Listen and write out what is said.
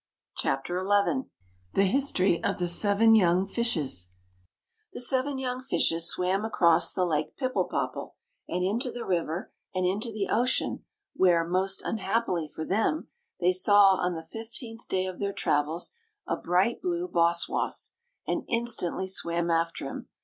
CHAPTER XI THE HISTORY OF THE SEVEN YOUNG FISHES The seven young fishes swam across the Lake Pipple popple, and into the river, and into the ocean, where, most unhappily for them, they saw on the fifteenth day of their travels, a bright blue boss woss, and instantly swam after him.